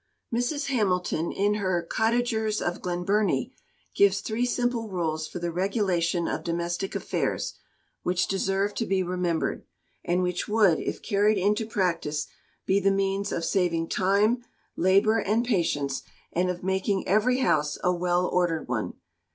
Mrs Hamilton, in her "Cottagers of Glenburnie," gives three simple rules for the regulation of domestic affairs, which deserve to be remembered, and which would, if carried into practice, be the means of saving time, labour, and patience, and of making every house a "well ordered" one.